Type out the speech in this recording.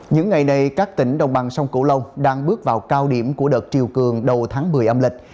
những ngày này các tỉnh đồng bằng sông cửu long đang bước vào cao điểm của đợt triều cường đầu tháng một mươi âm lịch